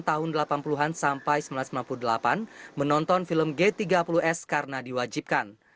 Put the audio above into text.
tahun delapan puluh an sampai seribu sembilan ratus sembilan puluh delapan menonton film g tiga puluh s karena diwajibkan